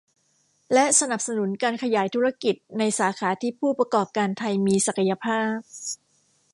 และสนับสนุนการขยายธุรกิจในสาขาที่ผู้ประกอบการไทยมีศักยภาพ